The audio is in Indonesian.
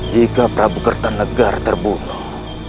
jika prabu kartanegara terbunuh